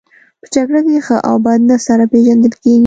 په جګړه کې ښه او بد نه سره پېژندل کیږي